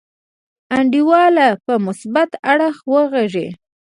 انډیواله په مثبت اړخ وغګیږه.